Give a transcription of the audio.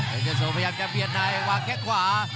เฮทยาซโอพยายามจะเปรียดในวางแก๊กขวา